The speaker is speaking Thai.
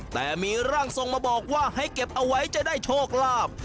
แต่มีร่างทรงมาบอกว่าให้เก็บเอาไว้จะได้โชคลาภ